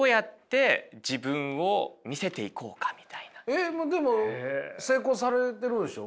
えっでも成功されてるんでしょう？